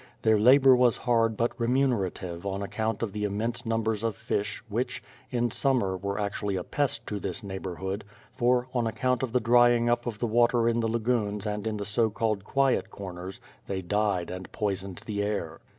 Their labor was hard but remunerative on account of the immense numbers of fish, which, in sum mer were actually a pest to this neighborhood, for, on account of the drying up of the water in the lagoons and in the so called "quiet corners" they died and poisoned the air.